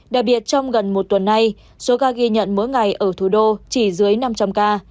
đặc biệt trong gần một tuần nay số ca ghi nhận mỗi ngày ở thủ đô chỉ dưới năm trăm linh ca